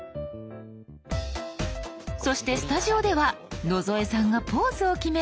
そしてスタジオでは野添さんがポーズを決めて。